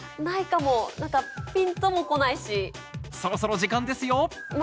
そろそろ時間ですよ